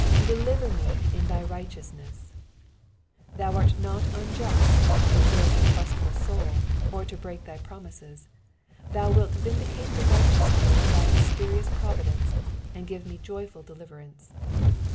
" Delirer m» in thy riffhttmunest." Thou are not unjust to desert a truatful soul, or to break thy promises ; thou wilt vindicate the righteousncES of thy mysterious providence, and give me joyful de lirerance.